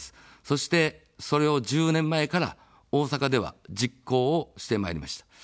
そして、それを１０年前から大阪では実行をしてまいりました。